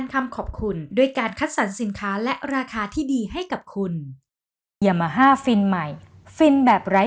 ข่าวเนี้ยจะได้รู้กับสัตว์ผีว่านางอุ้มหรือน้องสาว